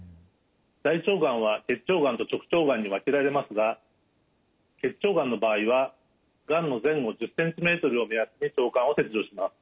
大腸がんは結腸がんと直腸がんに分けられますが結腸がんの場合はがんの前後１０ｃｍを目安に腸管を切除します。